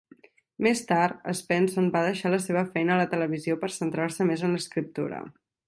Més tard, Espenson va deixar la seva feina a la televisió per centrar-se més en l'escriptura.